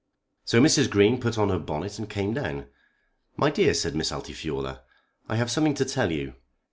So Mrs. Green put on her bonnet and came down. "My dear," said Miss Altifiorla, "I have something to tell you.